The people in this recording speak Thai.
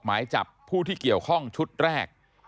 หมายจับผู้ที่เกี่ยวข้องชุดแรก